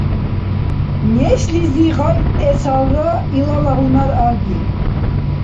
Нешлизи гъайэсалра илала гьунар аги.